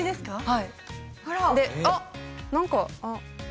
はい。